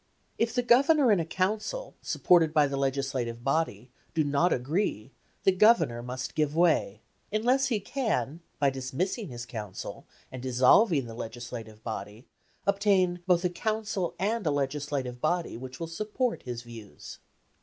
If the Governor and a Council, supported by the Legislative Body, do not agree, the Governor must give way, unless he can, by dismissing his Council, and dissolving the Legislative Body, obtain both a Council and a Legislative Body which will support his views.